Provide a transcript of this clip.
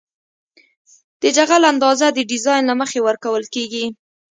د جغل اندازه د ډیزاین له مخې ورکول کیږي